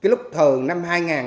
lúc thờ năm hai nghìn một